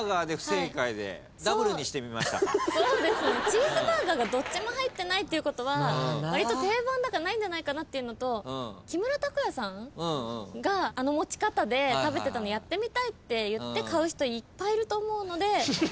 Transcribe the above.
チーズバーガーがどっちも入ってないっていうことはわりと定番だからないんじゃないかなっていうのと木村拓哉さんがあの持ち方で食べてたのやってみたいって言って買う人いっぱいいると思うので。